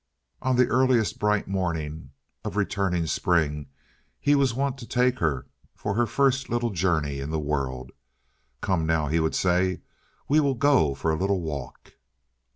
On the earliest bright morning of returning spring he was wont to take her for her first little journeys in the world. "Come, now," he would say, "we will go for a little walk."